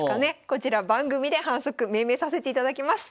こちら番組で反則命名させていただます。